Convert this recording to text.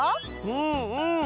うんうん。